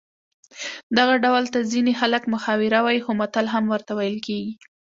دغه ډول ته ځینې خلک محاوره وايي خو متل هم ورته ویل کېږي